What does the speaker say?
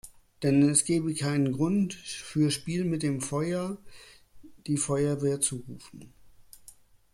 Denn es gebe „keinen Grund, für "Spiel mit dem Feuer" die Feuerwehr zu rufen“.